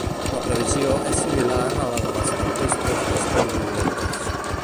La previsió és similar a la de les tempestes d’estiu violentes.